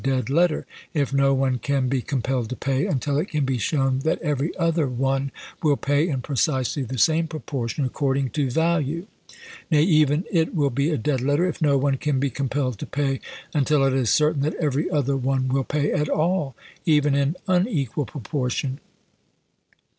dead letter, if no one can be compelled to pay until it can be shown that every other one will pay in precisely the same proportion, according to value ; nay, even it will be a dead letter, if no one can be compelled to pay until it is certain that every other one will pay at all — even in unequal proportion.